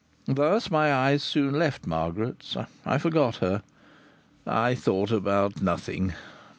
Thus my eyes soon left Margaret's. I forgot her. I thought about nothing.